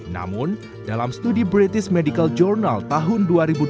namun dalam studi british medical journal tahun dua ribu dua puluh